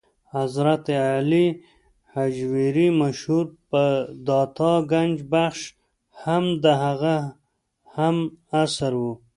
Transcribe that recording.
حضرت علي هجویري مشهور په داتا ګنج بخش هم د هغه هم عصر و.